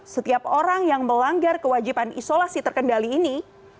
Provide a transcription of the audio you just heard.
setiap orang yang melanggar kewajiban isolasi terkendali ini